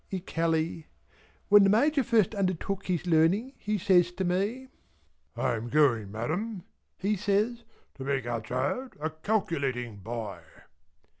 ically. When the Major first undertook his learning he says to me: "I'm going Madam," he says "to make our child a Calculating Boy.